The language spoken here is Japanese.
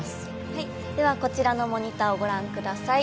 はいではこちらのモニターをご覧ください